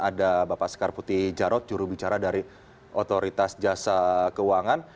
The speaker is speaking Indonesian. ada bapak sekar putih jarod jurubicara dari otoritas jasa keuangan